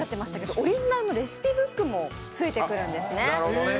オリジナルのレシピブックもついてくるんですね。